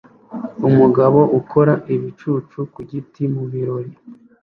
Umugabo ukora ibicucu ku giti mu birori